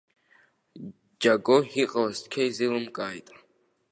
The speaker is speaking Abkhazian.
Џього иҟалаз цқьа изеилымкааит.